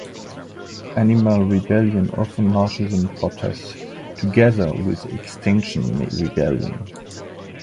Animal Rebellion often marches in protests together with Extinction Rebellion.